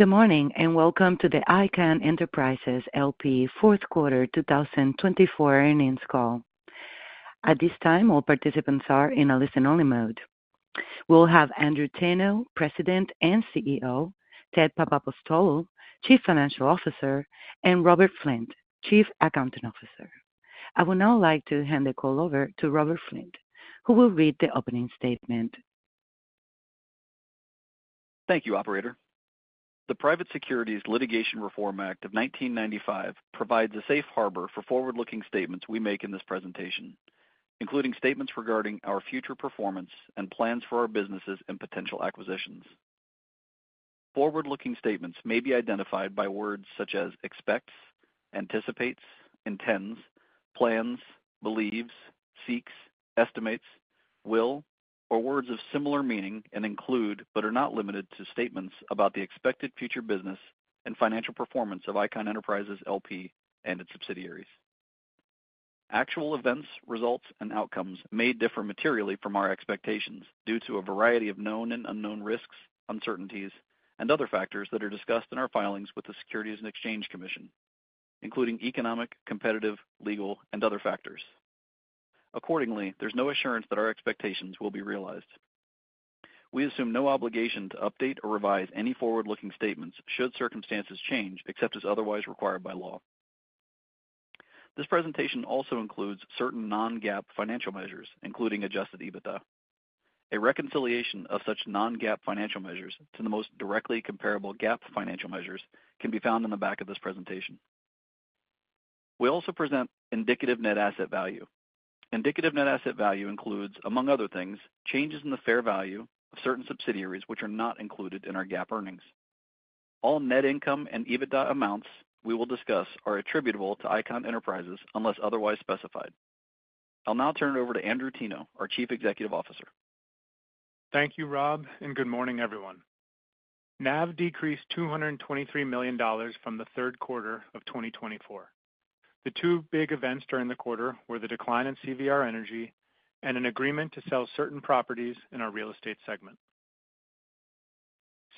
Good morning and welcome to the Icahn Enterprises L.P. Fourth Quarter 2024 Earnings Call. At this time, all participants are in a listen-only mode. We'll have Andrew Teno, President and CEO, Ted Papapostolou, Chief Financial Officer, and Robert Flint, Chief Accounting Officer. I would now like to hand the call over to Robert Flint, who will read the opening statement. Thank you, Operator. The Private Securities Litigation Reform Act of 1995 provides a safe harbor for forward-looking statements we make in this presentation, including statements regarding our future performance and plans for our businesses and potential acquisitions. Forward-looking statements may be identified by words such as expects, anticipates, intends, plans, believes, seeks, estimates, will, or words of similar meaning and include, but are not limited to, statements about the expected future business and financial performance of Icahn Enterprises LP and its subsidiaries. Actual events, results, and outcomes may differ materially from our expectations due to a variety of known and unknown risks, uncertainties, and other factors that are discussed in our filings with the Securities and Exchange Commission, including economic, competitive, legal, and other factors. Accordingly, there's no assurance that our expectations will be realized. We assume no obligation to update or revise any forward-looking statements should circumstances change except as otherwise required by law. This presentation also includes certain non-GAAP financial measures, including Adjusted EBITDA. A reconciliation of such non-GAAP financial measures to the most directly comparable GAAP financial measures can be found in the back of this presentation. We also present Indicative Net Asset Value. Indicative Net Asset Value includes, among other things, changes in the fair value of certain subsidiaries which are not included in our GAAP earnings. All net income and EBITDA amounts we will discuss are attributable to Icahn Enterprises unless otherwise specified. I'll now turn it over to Andrew Teno, our Chief Executive Officer. Thank you, Rob, and good morning, everyone. NAV decreased $223 million from the third quarter of 2024. The two big events during the quarter were the decline in CVR Energy and an agreement to sell certain properties in our Real Estate segment.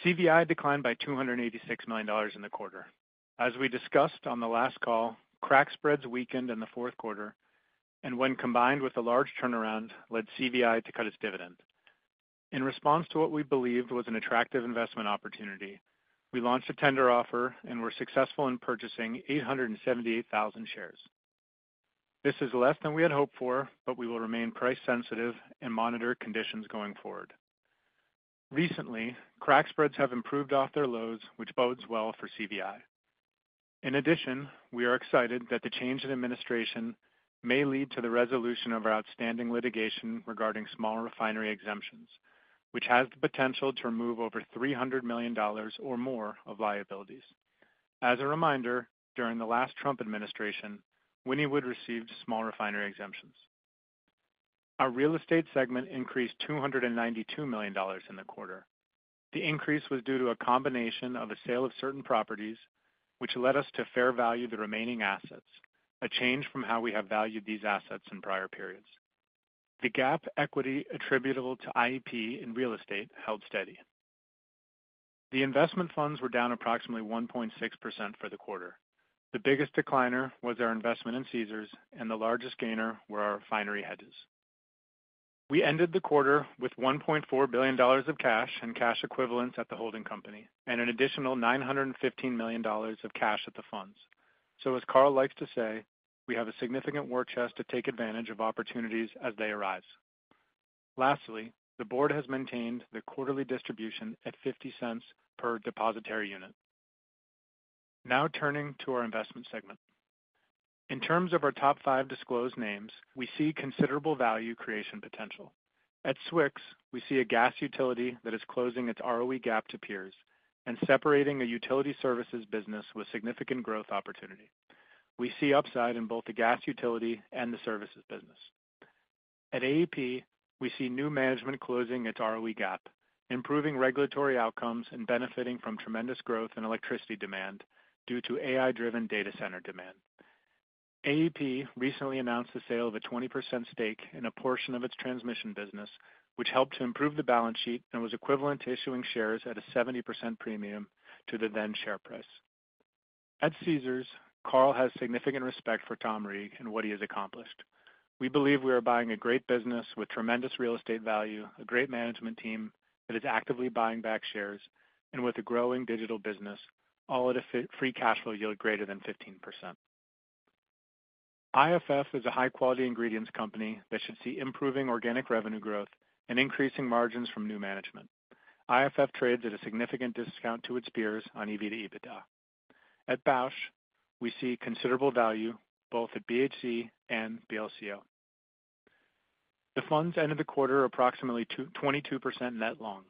CVI declined by $286 million in the quarter. As we discussed on the last call, crack spreads weakened in the fourth quarter, and when combined with a large turnaround, led CVI to cut its dividend. In response to what we believed was an attractive investment opportunity, we launched a tender offer and were successful in purchasing 878,000 shares. This is less than we had hoped for, but we will remain price-sensitive and monitor conditions going forward. Recently, crack spreads have improved off their lows, which bodes well for CVI. In addition, we are excited that the change in administration may lead to the resolution of our outstanding litigation regarding small refinery exemptions, which has the potential to remove over $300 million or more of liabilities. As a reminder, during the last Trump administration, Wynnewood received small refinery exemptions. Our Real Estate segment increased $292 million in the quarter. The increase was due to a combination of the sale of certain properties, which led us to fair value the remaining assets, a change from how we have valued these assets in prior periods. The GAAP equity attributable to IEP in real estate held steady. The investment funds were down approximately 1.6% for the quarter. The biggest decliner was our investment in Caesars, and the largest gainer were our refinery hedges. We ended the quarter with $1.4 billion of cash and cash equivalents at the holding company, and an additional $915 million of cash at the funds. So, as Carl likes to say, we have a significant war chest to take advantage of opportunities as they arise. Lastly, the board has maintained the quarterly distribution at $0.50 per Depositary Unit. Now turning to our Investment segment. In terms of our top five disclosed names, we see considerable value creation potential. At SWX, we see a gas utility that is closing its ROE gap to peers and separating a utility services business with significant growth opportunity. We see upside in both the gas utility and the services business. At AEP, we see new management closing its ROE gap, improving regulatory outcomes and benefiting from tremendous growth in electricity demand due to AI-driven data center demand. AEP recently announced the sale of a 20% stake in a portion of its transmission business, which helped to improve the balance sheet and was equivalent to issuing shares at a 70% premium to the then share price. At Caesars, Carl has significant respect for Tom Reeg and what he has accomplished. We believe we are buying a great business with tremendous real estate value, a great management team that is actively buying back shares, and with a growing digital business, all at a free cash flow yield greater than 15%. IFF is a high-quality ingredients company that should see improving organic revenue growth and increasing margins from new management. IFF trades at a significant discount to its peers on EV to EBITDA. At Bausch, we see considerable value both at BHC and BLCO. The funds ended the quarter approximately 22% net long.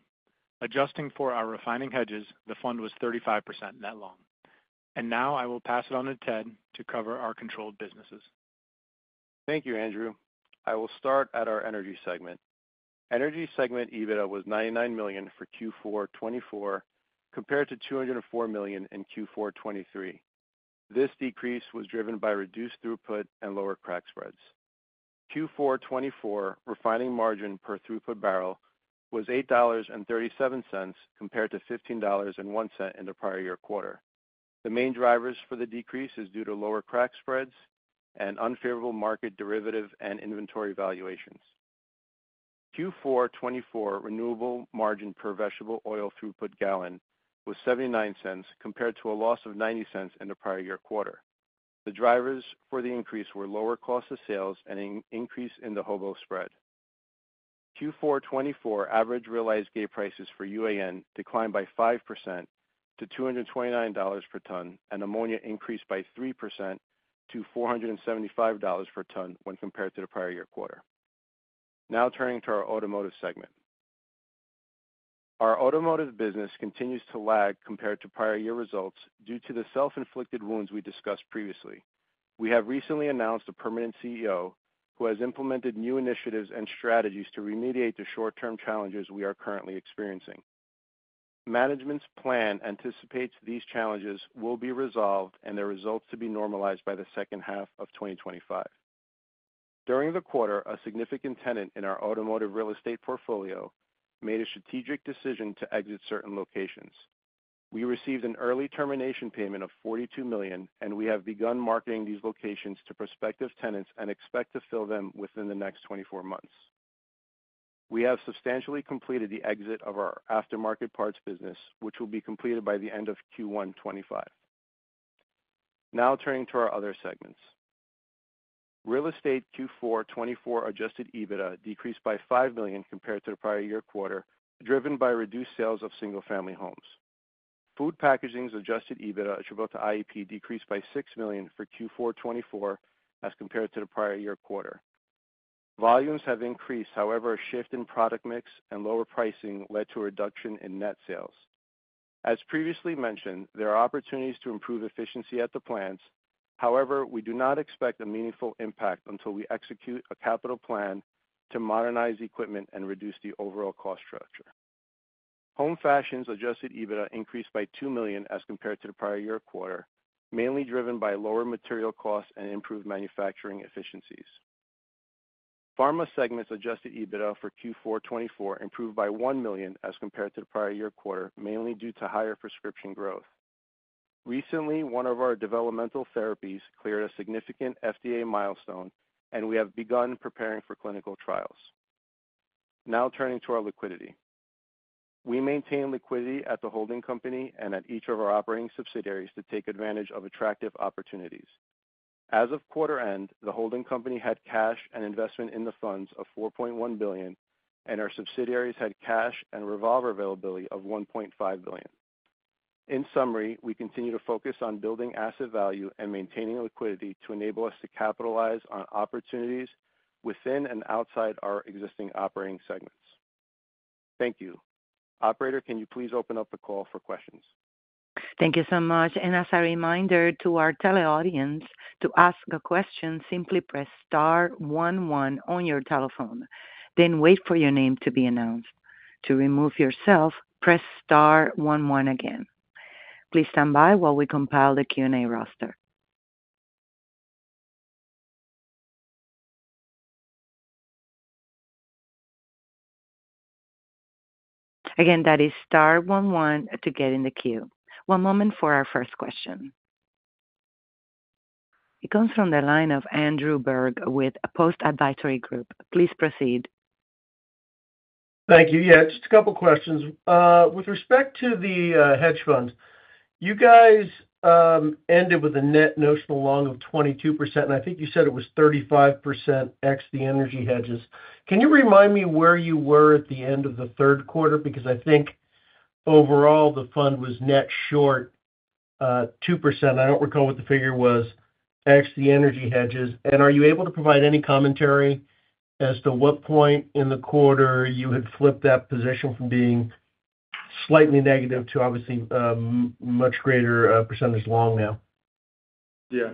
Adjusting for our refining hedges, the fund was 35% net long. Now I will pass it on to Ted to cover our controlled businesses. Thank you, Andrew. I will start at our Energy Segment. Energy segment EBITDA was $99 million for Q4 2024, compared to $204 million in Q4 2023. This decrease was driven by reduced throughput and lower crack spreads. Q4 2024 refining margin per throughput barrel was $8.37 compared to $15.01 in the prior year quarter. The main drivers for the decrease are due to lower crack spreads and unfavorable market derivative and inventory valuations. Q4 2024 renewable margin per vegetable oil throughput gallon was $0.79 compared to a loss of $0.90 in the prior year quarter. The drivers for the increase were lower cost of sales and an increase in the HOBO spread. Q4 2024 average realized gate prices for UAN declined by 5% to $229 per ton, and ammonia increased by 3% to $475 per ton when compared to the prior year quarter. Now turning to our Automotive segment. Our automotive business continues to lag compared to prior year results due to the self-inflicted wounds we discussed previously. We have recently announced a permanent CEO who has implemented new initiatives and strategies to remediate the short-term challenges we are currently experiencing. Management's plan anticipates these challenges will be resolved and their results to be normalized by the second half of 2025. During the quarter, a significant tenant in our automotive real estate portfolio made a strategic decision to exit certain locations. We received an early termination payment of $42 million, and we have begun marketing these locations to prospective tenants and expect to fill them within the next 24 months. We have substantially completed the exit of our aftermarket parts business, which will be completed by the end of Q1 2025. Now turning to our other segments. Real estate Q4 2024 adjusted EBITDA decreased by $5 million compared to the prior year quarter, driven by reduced sales of single-family homes. Food Packaging's adjusted EBITDA attributable to IEP decreased by $6 million for Q4 2024 as compared to the prior year quarter. Volumes have increased. However, a shift in product mix and lower pricing led to a reduction in net sales. As previously mentioned, there are opportunities to improve efficiency at the plants. However, we do not expect a meaningful impact until we execute a capital plan to modernize equipment and reduce the overall cost structure. Home Fashion's adjusted EBITDA increased by $2 million as compared to the prior year quarter, mainly driven by lower material costs and improved manufacturing efficiencies. Pharma segment's adjusted EBITDA for Q4 2024 improved by $1 million as compared to the prior year quarter, mainly due to higher prescription growth. Recently, one of our developmental therapies cleared a significant FDA milestone, and we have begun preparing for clinical trials. Now turning to our liquidity. We maintain liquidity at the holding company and at each of our operating subsidiaries to take advantage of attractive opportunities. As of quarter end, the holding company had cash and investment in the funds of $4.1 billion, and our subsidiaries had cash and revolver availability of $1.5 billion. In summary, we continue to focus on building asset value and maintaining liquidity to enable us to capitalize on opportunities within and outside our existing operating segments. Thank you. Operator, can you please open up the call for questions? Thank you so much. And as a reminder to our tele-audience, to ask a question, simply press star one one on your telephone. Then wait for your name to be announced. To remove yourself, press star one one again. Please stand by while we compile the Q&A roster. Again, that is star one one to get in the queue. One moment for our first question. It comes from the line of Andrew Berg with Post Advisory Group. Please proceed. Thank you. Yeah, just a couple of questions. With respect to the hedge fund, you guys ended with a net notional long of 22%, and I think you said it was 35% ex the energy hedges. Can you remind me where you were at the end of the third quarter? Because I think overall the fund was net short 2%. I don't recall what the figure was ex the energy hedges. And are you able to provide any commentary as to what point in the quarter you had flipped that position from being slightly negative to obviously much greater percentage long now? Yeah.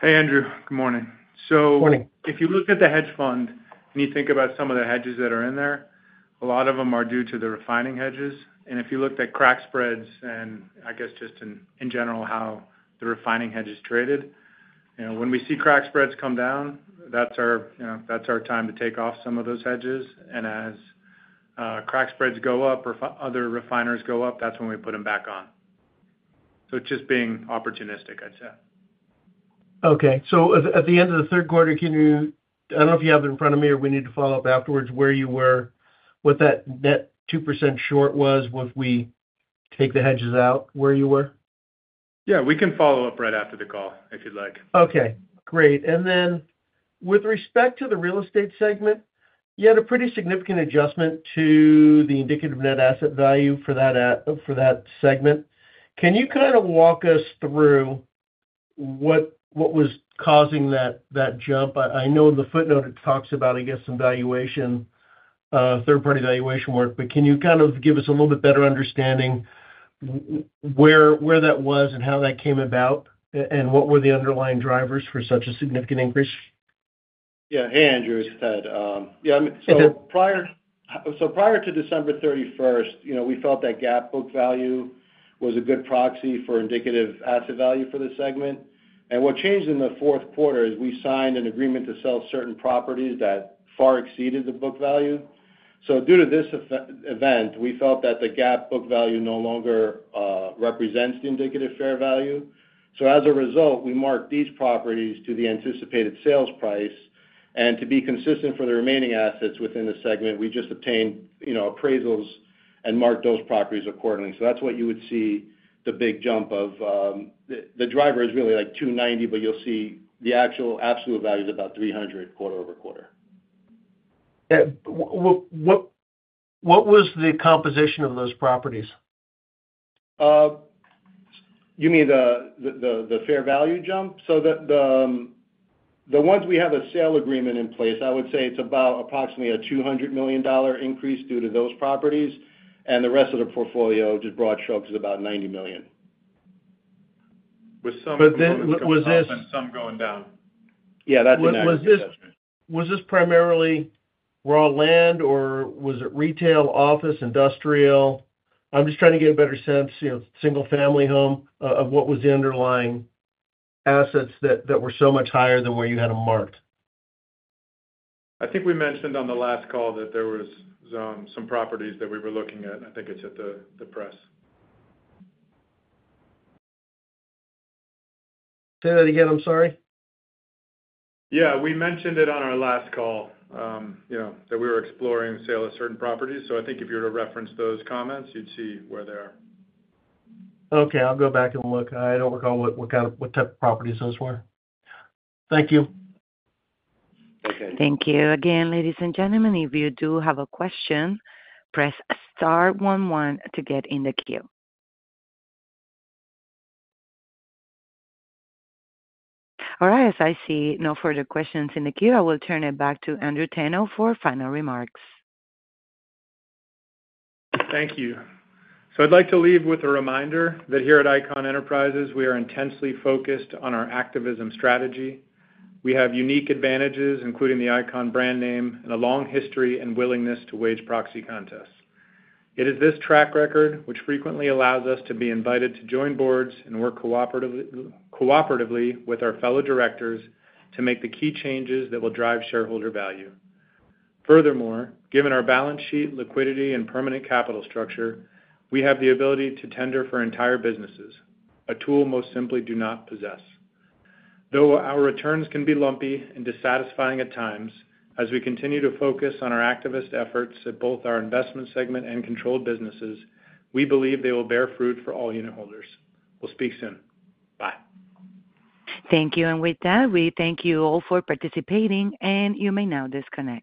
Hey, Andrew. Good morning. Good morning. So if you look at the hedge fund and you think about some of the hedges that are in there, a lot of them are due to the refining hedges. And if you looked at crack spreads and I guess just in general how the refining hedges traded, when we see crack spreads come down, that's our time to take off some of those hedges. And as crack spreads go up or other refiners go up, that's when we put them back on. So it's just being opportunistic, I'd say. Okay. So at the end of the third quarter, can you—I don't know if you have it in front of you or we need to follow up afterwards—where you were, what that net 2% short was if we take the hedges out, where you were? Yeah, we can follow up right after the call if you'd like. Okay. Great. And then with respect to the Real Estate segment, you had a pretty significant adjustment to the indicative net asset value for that segment. Can you kind of walk us through what was causing that jump? I know in the footnote it talks about, I guess, some valuation, third-party valuation work, but can you kind of give us a little bit better understanding where that was and how that came about and what were the underlying drivers for such a significant increase? Yeah. Hey, Andrew, it's Ted. Yeah. So prior to December 31st, we felt that GAAP book value was a good proxy for indicative asset value for the segment. And what changed in the fourth quarter is we signed an agreement to sell certain properties that far exceeded the book value. So due to this event, we felt that the GAAP book value no longer represents the indicative fair value. So as a result, we marked these properties to the anticipated sales price. And to be consistent for the remaining assets within the segment, we just obtained appraisals and marked those properties accordingly. So that's what you would see the big jump of. The driver is really like 290, but you'll see the actual absolute value is about 300 quarter over quarter. What was the composition of those properties? You mean the fair value jump? So the ones we have a sale agreement in place, I would say it's about approximately a $200 million increase due to those properties. And the rest of the portfolio, just broad strokes, is about $90 million. But then was this. Some going down. Yeah, that's a natural question. Was this primarily raw land, or was it retail, office, industrial? I'm just trying to get a better sense, single-family home, of what was the underlying assets that were so much higher than where you had them marked? I think we mentioned on the last call that there were some properties that we were looking at. I think it's in the press. Say that again, I'm sorry. Yeah. We mentioned it on our last call that we were exploring the sale of certain properties. So I think if you were to reference those comments, you'd see where they are. Okay. I'll go back and look. I don't recall what type of properties those were. Thank you. Okay. Thank you again, ladies and gentlemen. If you do have a question, press star one one to get in the queue. All right. As I see no further questions in the queue, I will turn it back to Andrew Teno for final remarks. Thank you. So I'd like to leave with a reminder that here at Icahn Enterprises, we are intensely focused on our activism strategy. We have unique advantages, including the Icahn brand name and a long history and willingness to wage proxy contests. It is this track record which frequently allows us to be invited to join boards and work cooperatively with our fellow directors to make the key changes that will drive shareholder value. Furthermore, given our balance sheet, liquidity, and permanent capital structure, we have the ability to tender for entire businesses, a tool most simply do not possess. Though our returns can be lumpy and dissatisfying at times, as we continue to focus on our activist efforts at both our Investment segment and controlled businesses, we believe they will bear fruit for all unit holders. We'll speak soon. Bye. Thank you. And with that, we thank you all for participating, and you may now disconnect.